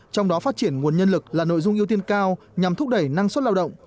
trong đó phát triển nguồn nhân lực là nội dung ưu tiên cao nhằm thúc đẩy năng suất lao động